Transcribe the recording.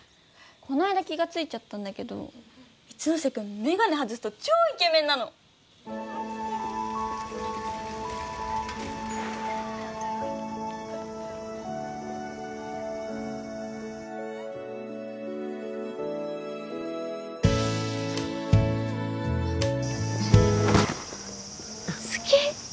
この間気がついちゃったんだけど一ノ瀬君メガネ外すと超イケメンなの好き